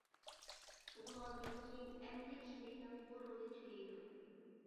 تۇغۇلغاندىن كېيىن ئەمدى كىندىكنىڭ بۇ رولى تۈگەيدۇ.